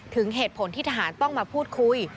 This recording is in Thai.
เหตุผลที่ทหารต้องมาพูดคุย